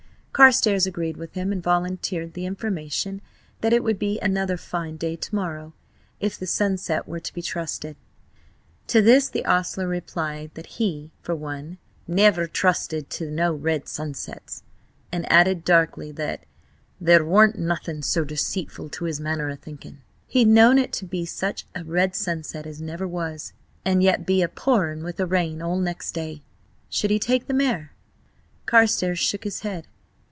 Carstares agreed with him, and volunteered the information that it would be another fine day to morrow, if the sunset were to be trusted. To this the ostler replied that he, for one, never trusted to no red sunsets, and added darkly that there warn't nothing so deceitful to his manner o' thinking. He'd known it be such a red sunset as never was, and yet be a pouring with rain all next day. ... Should he take the mare? Carstares shook his head.